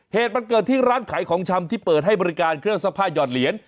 เหตุมันเกิดที่ร้านขายของชำที่เปิดให้บริการเครื่องซักผ้าหยอดเหรียญ